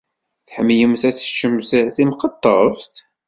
Tḥemmlemt ad teččemt timqeṭṭeft?